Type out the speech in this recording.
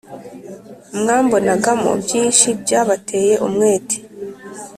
mwambonagamo byinshi byabateye umwete